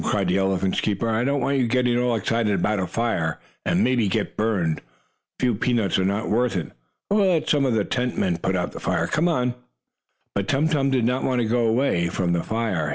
cried the elephant's keeper. "I don't want you getting all excited about a fire, and maybe burned. A few peanuts are not worth it. We'll let some of the tent men put out the fire. Come away!" But Tum Tum did not want to go away from the fire.